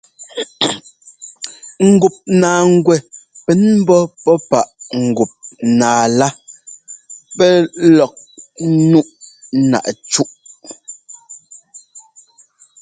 Ŋgup naaŋgwɛ pɛn ḿbɔ́ pɔ́ páꞌ gup nǎꞌá lá pɛ́ lɔk ńnuꞌ náꞌ cúꞌ.